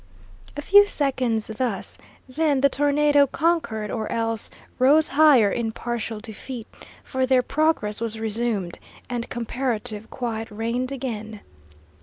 A few seconds thus, then the tornado conquered, or else rose higher in partial defeat, for their progress was resumed, and comparative quiet reigned again.